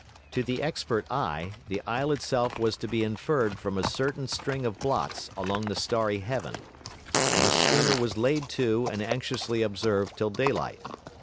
To the expert eye the isle itself was to be inferred from a certain string of blots along the starry heaven. And the schooner was laid to and anxiously observed till daylight.